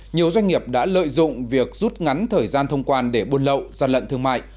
nhiều doanh nghiệp đã lợi dụng việc rút ngắn thời gian thông quan để buôn lậu gian lận thương mại